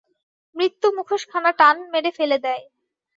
মৃত্যু মুখোশখানা টান মেরে ফেলে দেয়।